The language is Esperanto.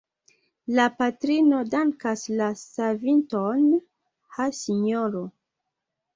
La patrino dankas la savinton: Ha, sinjoro!